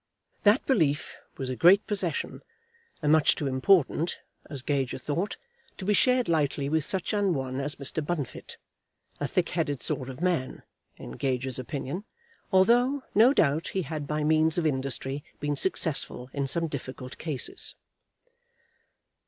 That belief was a great possession, and much too important, as Gager thought, to be shared lightly with such an one as Mr. Bunfit, a thick headed sort of man, in Gager's opinion, although, no doubt, he had by means of industry been successful in some difficult cases.